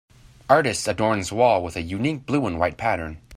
Artist adorns wall with a unique blue and white pattern.